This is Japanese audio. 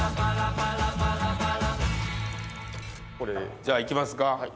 じゃあいきますか。